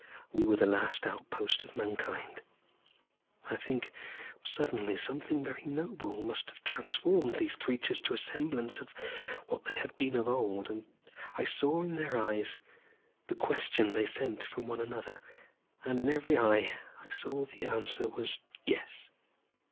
We were the last outpost of Mankind. I think suddenly something very noble must have transformed these creatures to a semblance of what they had been of old. I saw, in their eyes, the question they sent from one to another, and in every eye I saw that the answer was, Yes.